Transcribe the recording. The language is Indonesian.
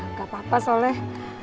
gak apa apa soleh